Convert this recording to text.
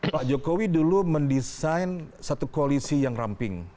pak jokowi dulu mendesain satu koalisi yang ramping